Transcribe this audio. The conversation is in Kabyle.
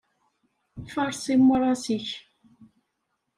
Faṛes imuras-ik.